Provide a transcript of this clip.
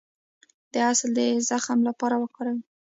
د عسل د زخم لپاره وکاروئ